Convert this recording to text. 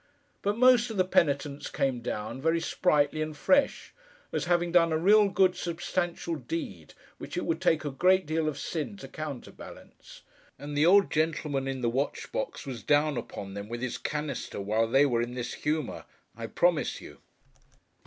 But most of the penitents came down, very sprightly and fresh, as having done a real good substantial deed which it would take a good deal of sin to counterbalance; and the old gentleman in the watch box was down upon them with his canister while they were in this humour, I promise you.